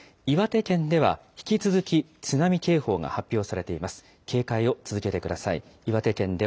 岩手県では引き続き津波警報が発表されています。